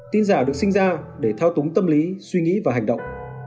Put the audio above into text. tin giả được sinh ra để thao túng tâm lý suy nghĩ và hành động